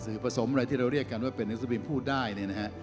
สื่อประสงค์อะไรที่เราเรียกกันว่าเป็นนังสือภิมพ์พูดได้นะฮะ